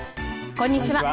こんにちは